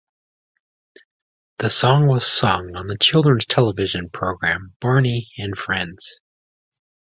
The song was sung on the children's television program Barney and Friends.